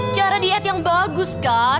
cara diet yang bagus kan